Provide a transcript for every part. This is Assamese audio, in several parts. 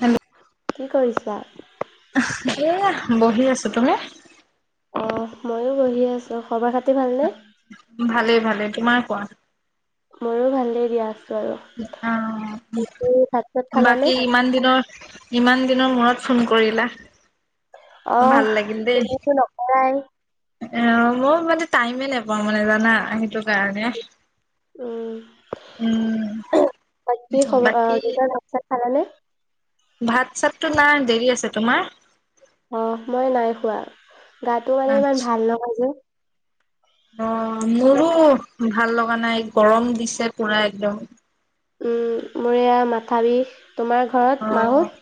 হেল্ল' কি কৰিছা? এয়া বহি আছোঁ তুমি? অ ময়ো বহি আছোঁ খবৰ খাতি ভালনে। ভালে ভালে তোমাৰ কোৱা মোৰো ভাল দেই দিয়া। আৰু। তুমি ভাত চাত অ খালানে? বাকী ইমান দিনৰ ইমান। দিনৰ মূৰত ফোন কৰিলা অ ভাল লাগিল দেই এনেতো নকৰাই অ মই মানে টাইমে নাপাওঁ মানে জানা সেইটো কাৰণে উম উম বাকী বাকী খালানে? ভাত চাতটো নাই দেৰি আছে তোমাৰ? অহ মই নাই খোৱা। গাটো মানে ইমান আচ্ছা ভাল লগা নাই যে অ মোৰো ভাল লগা নাই গৰম দিছে পুৰা একদম উম মোৰয়া মাথা বিষ তোমাৰ ঘৰত মাহত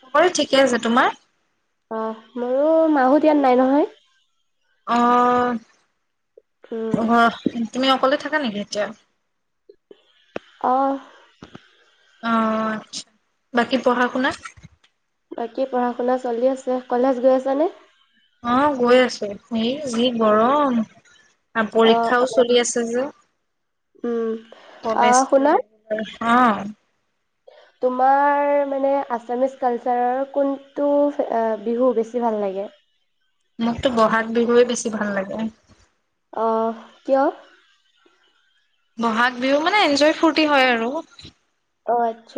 সকলো ঠিকে আছে তোমাৰ‌‌? অ মোৰো মাহত ইয়াত নাই নহয় উম, অহ অ তুমি অকলে থাকা নেকি এতিয়া? অ' অ আচ্ছা বাকী পঢ়া শুনা বাকী পঢ়া শুনা চলি আছে কলেজ গৈ আছানে? অ গৈ আছে এই যি গৰম আৰু অ', পৰীক্ষাও অ', চলি আছে যে উম অহ শুনা আহ তোমাৰ মানে আছামিছ কালচাৰৰ কোনটো বিহু বেছি ভাল লাগে মোকতো বহাগ বিহুে বেছি ভাল লাগে অহ কিয়? বহাগ বিহু মানে এনজয় ফূুৰ্তি হয় আৰু অ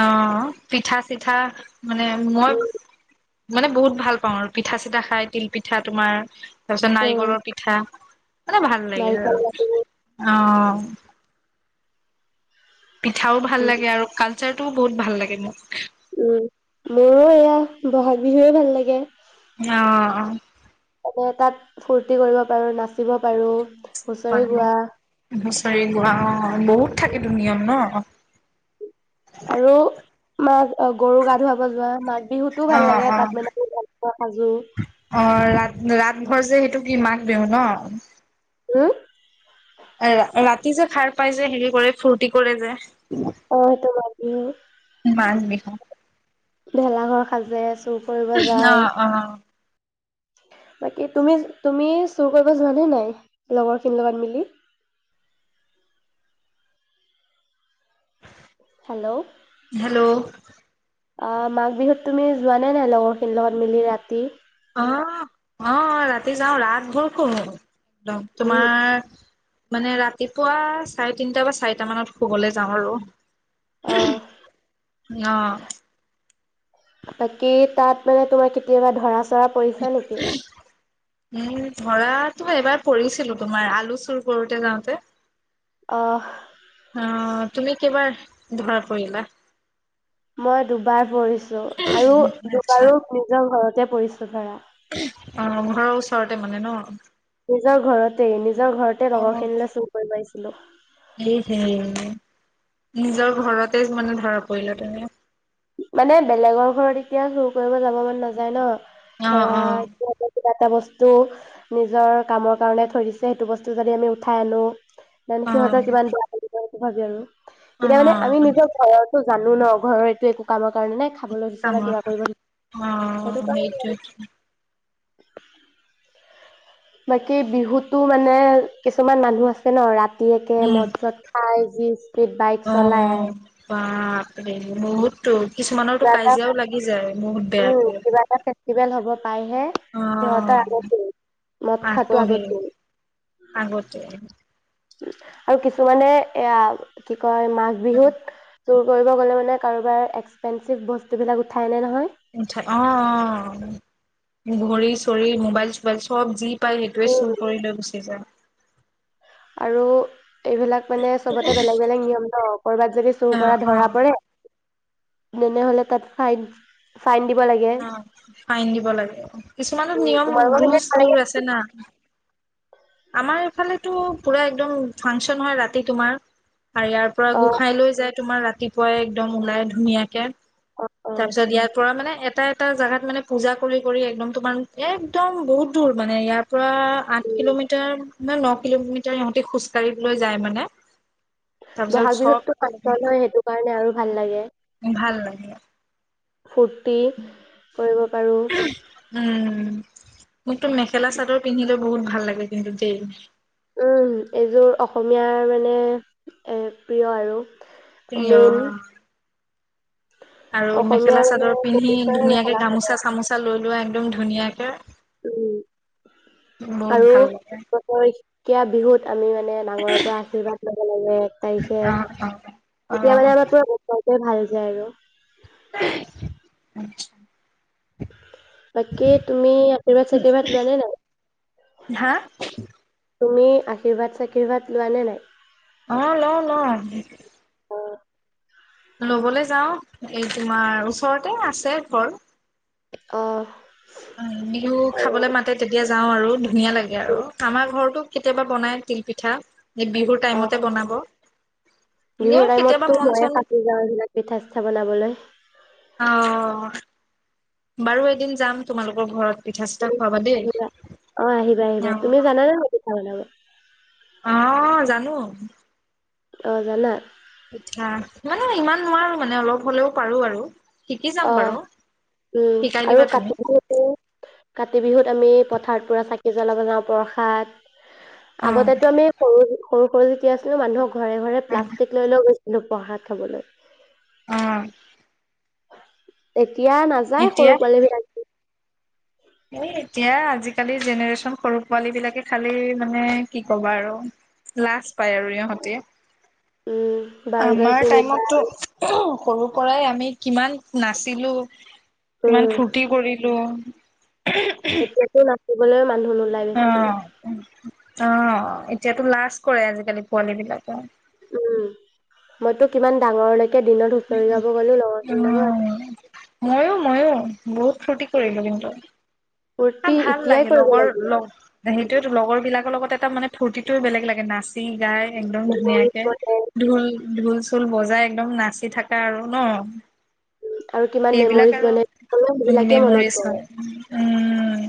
অ, পিঠা, চিঠা মানে, মই উম, মানে বহুত ভাল পাওঁ আৰু পিঠা -চিঠা খাই তিল পিঠা তোমাৰ তাৰ পিছত উম, নাৰিকলৰ পিঠা, মানে, ভাল লাগে নাৰিকল আৰু লাডু, অ উম- পিঠাও ভাল উম, লাগে, আৰু ক শাৰটোও [unintelligible] বহুত ভাল লাগে মোক, উম, মোৰো এইয়া বহাগ বিহুৱে ভাল লাগে। অ, অ মানে, তাত ফূুৰ্তি কৰিব পৰা নাছিলোঁ। আৰু হুচৰি গোৱা হয় বহুত থাকেতো নিয়ম ন। মাঘ, অ গৰু গা ধুৱাব যোৱা, মাঘ বিহুতো ভাল লাগে, অ তাত মানোলপোৱা সাজো ঘৰ যে, সেইটোক কি মাক দিওঁ ন উম, এ ৰা ৰাতি যে, সাৰ পাই যে, হেৰি কৰে ফূুৰ্তি কৰে যে, হয়টো, আজি অ, ভেলাঘৰ সাজি আছো। উম, অ, অ বাকী তুমি, তুমি চুৰ কৰিব যোৱা নে নাই? লগৰ খিনিৰ লগত মিলি। হেল্ল' হেল্ল', অ, মাঘ বিহুত তুমি যোৱা নে নাই লগৰখিনিৰ লগত মিলি ৰাতি অ, অ ৰাতি যাওঁ ৰাত ভৰ কৰো। যাওঁ উম তোমাৰ মানে, ৰাতিপুৱা চাৰে তিনটা বা চাৰিটা মানত শুবলৈ যাওঁ আৰু অ অহ বাকী, তাত মানে তোমাৰ কেতিয়াবা ধৰা ধৰা পৰিছা নেকি? উম, ধৰাটো এবাৰ পৰিছিলো তোমাৰ, আলু চুৰ কৰোতে যাওঁতে। অ অ তুমি কিবা ধৰা পৰিলা? মই দুবাৰ পৰিছো আৰু, আচ্ছা দুবাৰো নিজৰ ঘৰত তে পৰিছো ধৰা অ ঘৰৰ ওচৰতে মানে ন! নিজৰ ঘৰতেই নিজৰ ঘৰতে অ', লগৰখিনিলে চুৰ কৰিব আহিছিলো এই হে । নিজৰ ঘৰতে মানে ধৰক । কৰিলা তুমি? মানে বেলেগৰ ঘৰত এতিয়া চুৰ কৰিব যাব মন নাযায় ন । অ', ধৰা অ', এতিয়া কিবা এটা বস্তু টো নিজৰ কামৰ কাৰণে থৈ দিছে সেইটো বস্তু যদি আমি উঠাই আনো । মান অ', সিহঁতৰ কিমান বেয়া ভাগে আৰু এতিয়া মানে আমি অ', নিজৰ ঘৰতো জানো ন ঘৰৰ এইটো একো কামত । কাৰণে নে খাবলৈ দিছে বা কামৰ কিবা কৰিব সেইটো অ', কাৰণ সেইটোৱেটো বাকী বিহুতো মানে কিছুমান মানুহ আছে ন ৰাত ৰাতিয়ে উম, মদ চত খাই যি স্পীড বাইক চলাই আহে অ', । বাপৰে বহুত টো কিছুমানতো কিবা এটা কাজিয়াও লাগি যায় বহুত উম বেয়াকে কিবা এটা ফেষ্টিভেল হ'ব পাইহে সিহঁতৰ অ', আগতে মদ আকৌ খোৱাটো সেই আগতে আগতে আৰু কিছুমানে এয়া কি? হয় মাঘ বিহুত চুৰ কৰিব গ'লে মানে কাৰোবাৰ এক্সপেঞ্চিভ বস্তুবিলাক উঠাই আনে নহয় । উঠ অ অ ঘৰী চৰি মোবাইল চবাইল চব যি পাই সেইটোৱে চুৰ কৰি লৈ গুচি যায় । আৰু এইবিলাক মানে চবতে বেলেগ বেলেগ নিয়ম ন কবাত যদি চুৰ অ', কৰা ধৰা অ', পৰে তেনেহলে তাত ফাইন ফাইন দিব লাগে। অ ফাইন দিব লাগে কিছুমানত উম নিয়ম তোমালোকৰ পিনে ৰোলচ নালাগে? বোৰ আছে না । আমাৰ এইফালেতো পুৰা একদম ফাংচন হয় ৰাতি তোমাৰ আৰু ইয়াৰ পৰা অ গোসাই লৈ যায় তোমাৰ ৰাতি পুৱাই একদম ওলাই ধুনীয়াকে অ তাৰপিছত ইয়াৰ পৰা মানে এটাই এটা জাগাত মানে পুজা কৰি কৰি একদম তোমাৰ একদম বহুত দূৰ মানে ইয়াৰ পৰা আঠ কিলোমিটাৰ তাৰ মানে ন কিলোমিটাৰ ইহঁতে খোজকাঢ়িবলৈ যায় মানে, তাৰপিছত ব'হাগ চব বিহুতটো সত নহয় সেইটো কাৰণে আৰু ভাল লাগে ভাল লাগে ফূৰ্তি কৰিব পাৰোঁ উ মোকতো মেখেলা চাদৰ পিন্ধিলে বহুত ভাল লাগে কিন্তু দেই উম এইযোৰ অসমীয়াৰ মানে এ প্ৰিয় আৰু প্ৰিয় মেইন আৰু মেখেলা অসমীয়াৰ চাদৰ পিন্ধি মানে ধুনীয়াকে মেখেলা চাদৰ গামোচা চামোচা লৈ লোৱা একদম ধুনীয়াকে উম বহুত আৰু ভাল লাগে এই কয় [unintelligible] বিহুত আমি মানে ডাঙৰৰ পৰা আশীৰ্বাদ লব লাগে এক তাৰিখে অ অ কেতিয়া অ মানে আমাৰ প তে ভাল যায় আৰু উম [unintelligible] বাকী তুমি আশীৰ্বাদ চাকিবাদ লোৱা নে নাই হা তুমি আশীৰ্বাদ চশীৰ্বাদ লোৱা নে নাই অহ লও লও অ লবলৈ যাওঁ এই তোমাৰ ওচৰতে আছে ঘৰ অঁ বিহু খাবলৈ মাতে তেতিয়া যাও আৰু ধুনীয়া লাগে আৰু আমাৰ ঘৰতো কেতিয়াবা বনাই তিল পিঠা এই বিহুৰ অ টাইমতে বনাব এনেও বিহুৰ কেতিয়াবা টাইমতো মন ময়ে চন থাকি যাওঁ এইবিলাক পিঠা চিঠা বনাবলৈ অ বাৰু এদিন যাম তোমালোকৰ ঘৰত পিঠা চিঠা খুৱাবা দেই আহিবা অ আহিবা আহিবা অ তুমি জানানে হয় নাই অহ জানো অ জানা আচছা [unintelligible] মানে ইমান নোৱাৰো মানে অলপ হ'লেও পাৰো আৰু শিকি যাম অ বাৰু উম শিকাই আৰু দিবা তুমি। কাতি বিহু কাতি বিহুত আমি পথাৰত পুৰা চাকি জ্বলাব যাওঁ প্ৰসাদ অ আগতেতো আমি সৰু সৰু সৰু যে আছিলে মানুহক ঘৰে ঘৰে প্লাষ্টিক লৈ লৈ গৈছে আমি প্ৰসাদ খাবলৈ অহ এক। এতিয়া নাযায় সৰু পোৱালী বিলাক এ এতিয়া আজিকালি জেনেৰেচন সৰু পোৱালী বিলাকে খালি মানে কি ক'বা আৰু লাছ পায় আৰু ইহঁতে। উম বাৰ্গাৰ আমাৰ চিনি পাই টাইমটতো সৰু পৰাই আমি কিমান নাচিলো। কিমান ফূৰ্তি কৰিলো। এতিয়াটো দিবলৈও মানুহ নোলাই অ। বেছি। অ এতিয়াতো লাজ কৰে আজিকালি পোৱালী বিলাকে। উম মইতো কিমান ডাঙৰ লৈ উম মইয়ো মইয়ো। বহুত ফূুৰ্তি কৰিলো কিন্তু। ফূৰ্তি ভাল এতিয়াই লাগে কৰিব লগৰ লাগিব লগ সেইটোয়েটো লগৰ বিলাক বিলাকৰ লগত এটা মানে ফুৰ্টিটোৱে বেলেগ লাগে নাচ চি গাই একদম মেমৰিজ ধুনীয়াকে বনে ঢোল ঢোল চোল বজাই একদম নাচি থাকা আৰু ন? আৰু কিমান এইবিলাক মেমৰিজ আৰু বনে সেইবিলাকে মনত মেমৰিজ পৰে হয়। উম।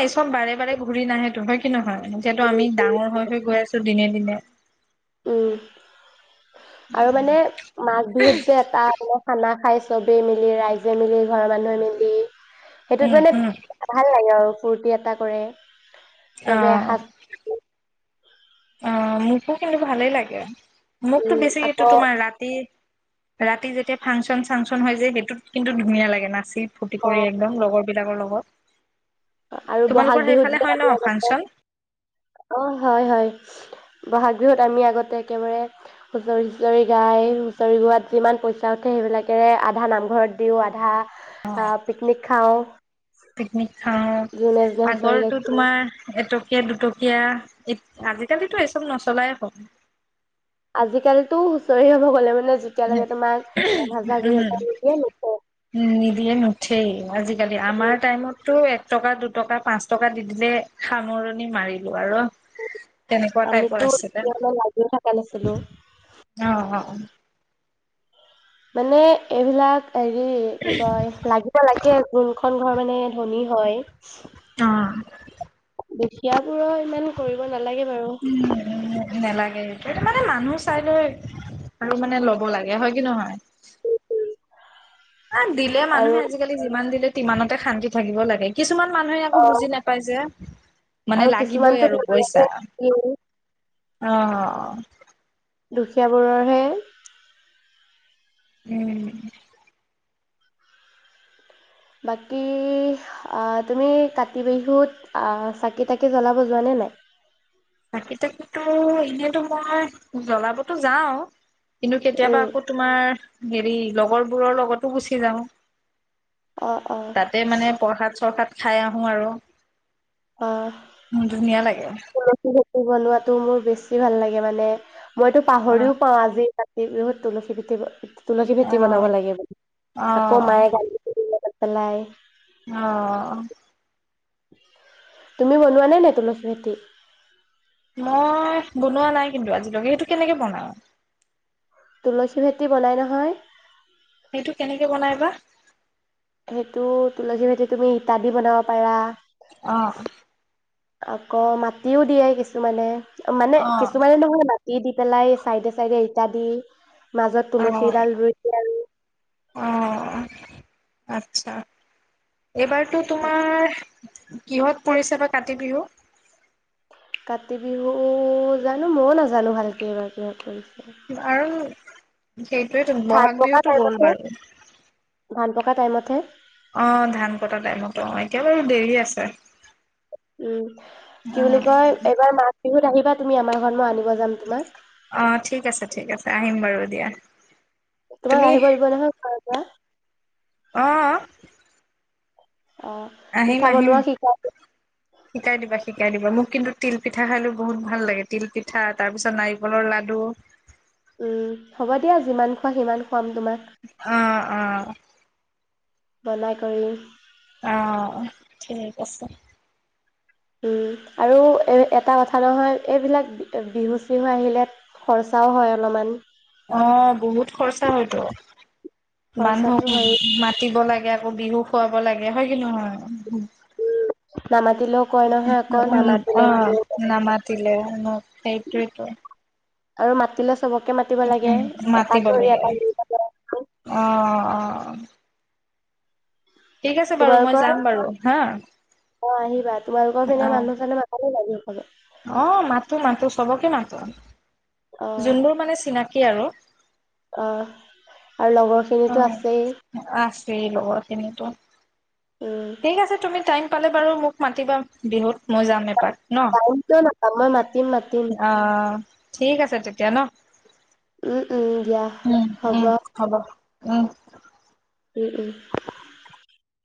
এই চব বাৰে বাৰে ঘূৰি নাহেটো, হয় কি নহয়? এতিয়াটো আমি ডাঙৰ হৈ হৈ গৈ আছো দিনে দিনে। উম। আৰু মানে মাঘ বিহুত যে এটা খানা খাই চবেই মিলি, ৰাইজে মিলি, ঘৰৰ মানুহে মিলি। সেইটোত উম মানে উম ভাল লাগে আৰু ফূৰ্তি এটা কৰে। চবে অহ। এসাঁজ অ, মোকো কিন্তু ভালেই লাগে। মোকতো উম বেছি আকৌ এইটো তোমাৰ ৰাতিত ৰাতি যেতিয়া ফাংচন চাংচন হৈ যায় সেইটোত কিন্তু ধুনীয়া লাগে নাচি ফূৰ্তি কৰি অ' একদম লগৰ বিলাকৰ লগত। আৰু তোমালোকৰ বহাগ বিহুত সেইফালে হয় ন যে ফাংচন অ হয় হয়। ব'হাগ বিহুত আমি আগতে একেবাৰে হুঁচৰি হুঁচৰি গাই হুঁচৰি গোৱাত যিমান পইচা উঠে সেইবিলাকেৰে আধা নামঘৰত দিওঁ আধা। আহ পিকনিক খাওঁ? পিকনিক। যোনে যোনে হুঁচৰি আগৰো গাইছিল তোমাৰ এইটো? দুটকীয়া আজিকালি এই চব নচলাই হল। আজিকালিতো হুঁচৰি হব গলে মানে। যেতিয়ালৈকে তোমাক এক হাজাৰ দুই উম হেজাৰ নিদিয়ে নুঠে উ নিদিয়ে নুঠেই আজিকালি আমাৰ টাইমতো। টকা দুটকা পাঁচ টকা দি দিলে সামৰণি মাৰিলো আৰু। তেনেকুৱা টাইপৰ আছিলে আমিতোতি লাগিও থকা নাছিলো? অ অ মানে এইবিলাক? হেৰি কি কয় লাগিব লাগে। কোনখন ঘৰ মানে ধনী হয়। অ দুখিয়াবোৰৰ ইমান কৰিব? নালাগে বাৰু উম নেলাগে। সেইটো মানে মানুহ চাই লৈ আৰু মানে ল'ব লাগে হয় কি নহয়। অ', দিলে আৰু মানুহে আজিকালি যিমান দিলে ইমানতে শান্তি থাকিব লাগে কি। কিছুমান মানুহে একো অ বুজি নাপায় যে। মানে আৰু লাগিবই কিছুমানতো? আৰু পইচা অ', দুখীয়াবোৰৰহে? উম', বাকী আঁহ ', তুমি কাতি বিহুত আঁহ ', চাকি তাকি জ্বলাব যোৱাানে নাই? চাকি তাকিটো এনেতো মই জ্বলাবতো যাও। কিন্তু কেতিয়াবা উম আকৌ তোমাৰ। হেৰি লগৰবোৰৰ লগতো গুচি যাওঁ। অ অ তাতে মানে প্ৰসাদ চৰসাত। খাই আহোঁ আৰু। অ', ধুনীয়া লাগে অ উম -উম বনোৱাতো মোৰ বেছি ভাল লাগে মানে। মইতো পাহৰিও পাওঁ আজি ত। এই বিহুত তুলখিকতে। তুলসী ভেটি বনাব লাগে অ অ আকৌ মায়ে গালি। পেলাই আহ', তুমি বনোৱা নাই - নাই তুলসী ভেতি মই বনোৱা নাই কিন্তু আজিলৈকে সেইটো কেনেকে বনাওঁ। তুলসী ভেতি বনাই নহয়। এইটো কেনেকে বনাইবা? সেইটো তুলসী ভেতি তুমি ইতাদি বনাব পাৰা। আহ', আকৌ মাটিও দিয়ে কিছুমানে। মানে অ কিছুমানে নহয় বাকী দি পেলাই চাইডে - চাইডে ইটা দি মাজত তুলসীডাল ৰুই দিয়ে আৰু আহ', আচ্ছা। এইবাৰতো তোমাৰ কিহত পৰিছে বা কাতি বিহু? কাতি বিহু জানো মইও নাজানো ভালকেবাৰ কিহত পৰিছে। আৰু সেইটোয়ো ধান বহাগ পকা বিহুতটো গ'ল টাইমতহে বাৰু ধান পকা টাইমতহে। অ ধান কটা টাইমতো অ এতিয়া বাৰু দেৰি আছে উম কি বুলি উম কয় এইবাৰ মাঘ বিহুত আহি। তুমি আমাৰ ঘৰ আনিব যাম তোমাক। অ ঠিক আছে ঠিক আছে আহিম বাৰু। দিয়া। তোমাক আহিব দিব নহয় ঘৰ পৰা। আহ অ আহিম পিঠা আহিম বনোৱা শিকাই শিকাই দিবা শিকাই দিবা মোক কিন্তু। তিল পিঠা খালো বহুত ভাল লাগে তিল পিঠা তাৰ পিছত নাৰিকলৰ লাডু উম হ'ব দিয়া যিমান খোৱা সিমান। খুৱাম তোমাক আহ আহ বনাই কৰি অ', ঠিক আছে উম আৰু এ এটা কথা নহয় এইবিলাক বিহু চিহু আহিলে খৰচাও হয় অলপমান অ' বহুত খৰচা হয়তো। খৰচাটো মানুহক হয়ে মাতিব লাগে। আকৌ বিহু খুৱাব লাগে হয় কি নহয়। উ নামাতিলেও কয় নহয় অকৌ নামাতিলে মোক। না মাতিলেও ন সেইটোৱেইটো। আৰু মাতিলে চবকে মাতিব লাগে মাতিব এটাক ধৰি লাগে। এটাক [unintelligible] অ', অ', ঠিক আছে বাৰু মই তোমালোকৰ যাম বাৰু হা। অ' আহিবা তোমালোকৰ পিনে অ', মানুহ চানুহ, মানুহ মাতিব লাগে। অ মাতো-মাতো চবকে মাতো। তন অ [unintelligible] যোনবোৰ মানে চিনাকী আৰু। অ আৰু লগৰখিনিতো আছেই, এই লগৰ খিনিয়েতো। উম ঠিক আছে তুমি টাইম পালে বাৰু মোক মাতিবা বিহুত। মই যাম এপাত ন, টাইম কিয় নাপাম মই মাতিম মাতিম অহ। ঠিক আছে তেতিয়া ন? উম, উম দিয়া হ'ব উম-উম, হ'ব। উম, উম-উম